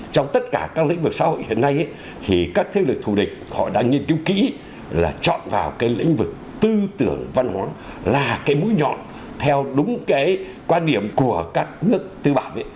trong tất cả các lĩnh vực xã hội hiện nay thì các thế lực thù địch họ đã nghiên cứu kỹ là chọn vào cái lĩnh vực tư tưởng văn hóa là cái mũi nhọn theo đúng cái quan điểm của các nước tư bản